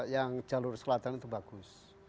yang jalur selatan itu bagus